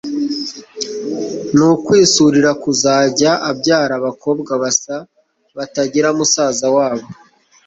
ni ukwisurira kuzajya abyara abakobwa basa, batagira musaza wabo